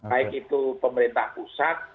baik itu pemerintah pusat